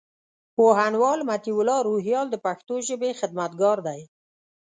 پوهنوال مطيع الله روهيال د پښتو ژبي خدمتګار دئ.